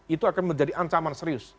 itu akan menjadi ancaman serius